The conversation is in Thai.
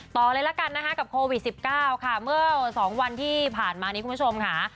ต่อเลยกับโควิด๑๙เมื่อ๒วันที่ผ่านมา